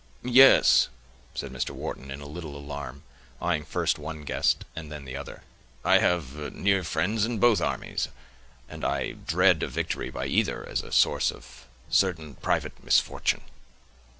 "Yes," said Mr. Wharton, in a little alarm, eying first one guest, and then the other; "I have near friends in both armies, and I dread a victory by either, as a source of certain private misfortune."